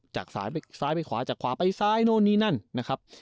จากสายซ้ายไปขวาจากขวาไปซ้ายโน่นนี่นั่นนะครับ